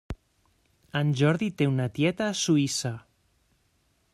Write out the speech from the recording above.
En Jordi té una tieta a Suïssa.